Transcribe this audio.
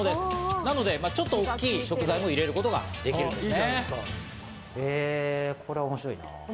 なのでちょっと大きい食材も入れることができるんですね。